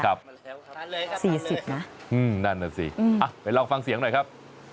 ๔๐บาทนะครับนั่นแหละสิมาลองฟังเสียงหน่อยครับ